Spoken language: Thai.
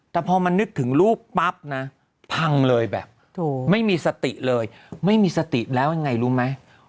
แต่พอมันนึกถึงรูปปั๊บนะพังเลยแบบไม่มีสติเลยไม่มีสติแล้วยังไงรู้ไหม